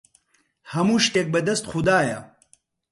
هەموو شتێک بەدەست خودایە.